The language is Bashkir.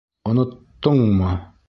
Оноттоңмо?